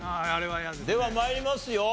では参りますよ。